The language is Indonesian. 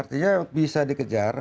artinya bisa dikejar